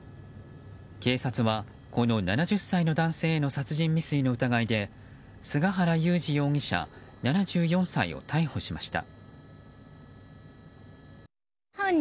警察はこの７０歳の男性への殺人未遂の疑いで菅原勇二容疑者、７４歳を逮捕しました。